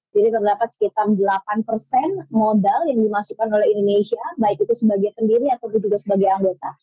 jadi terdapat sekitar delapan persen modal yang dimasukkan oleh indonesia baik itu sebagai pendiri atau juga sebagai anggota